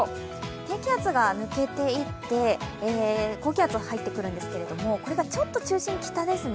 低気圧が抜けていって、高気圧が入ってくるんですけれども、これがちょっと中心、北ですね。